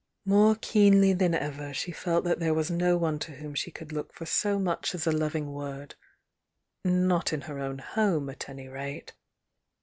More keenly than ever she felt that there was no one to whom she could look for so much as a loving word, —not in her own home, at any rate.